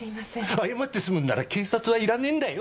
謝ってすむんなら警察はいらねんだよ。